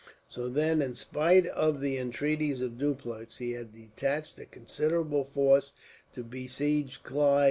So then, in spite of the entreaties of Dupleix, he had detached a considerable force to besiege Clive.